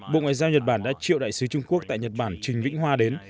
bộ ngoại giao nhật bản đã triệu đại sứ trung quốc tại nhật bản trình vĩnh hoa đến